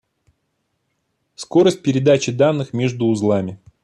Скорость передачи данных между узлами